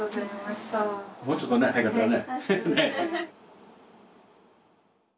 もうちょっとね早かったらね。